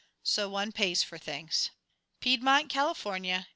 So one pays for things. PIEDMONT, CALIFORNIA.